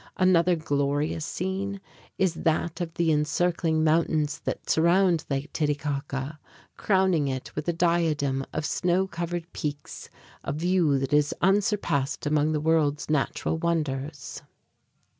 Another glorious scene is that of the encircling mountains that surround Lake Titicaca, crowning it with a diadem of snow covered peaks a view that is unsurpassed among the world's natural wonders.